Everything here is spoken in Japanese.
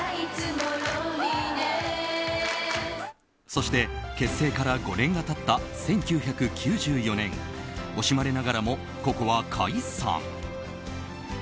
そして、結成から５年が経った１９９４年惜しまれながらもＣｏＣｏは解散。